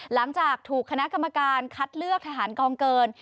หลังจากถูกคณะกรรมการคัดเลือกทหารกองเกิน